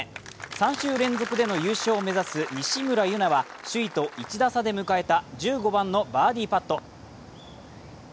３週連続での優勝を目指す西村優菜は、首位と１打差で迎えた１５番のバーディーパット。